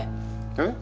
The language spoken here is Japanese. えっ？